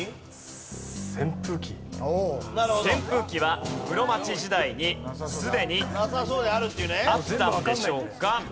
扇風機は室町時代にすでにあったのでしょうか？